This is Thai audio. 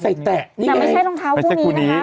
อ๋อใส่แตะนี่ไงแต่ไม่ใช่รองเท้าคู่นี้นะคะ